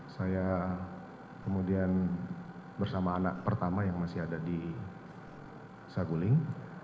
saya kemudian bersama anak pertama yang masih ada di saguling